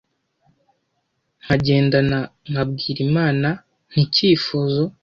nkagendana nkabwira Imana nti icyifuzo